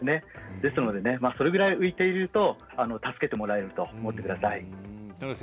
ですのでそれぐらい浮いていると助けてもらえるということなんです。